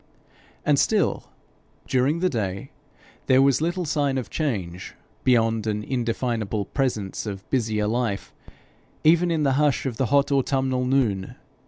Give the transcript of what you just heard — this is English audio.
And still, during the day, there was little sign of change, beyond an indefinable presence of busier life, even in the hush of the hot autumnal noon.